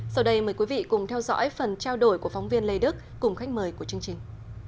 sau đây mời quý vị cùng theo dõi phần trao đổi của phóng viên lê đức cùng khách mời của chương trình